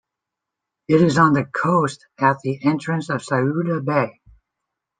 It is on the coast at the entrance of Souda Bay.